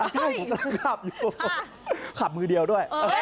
ใช่ผมกำลังขับอยู่ขับมือเดียวด้วย